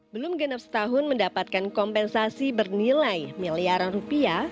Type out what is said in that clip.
belum genap setahun mendapatkan kompensasi bernilai miliaran rupiah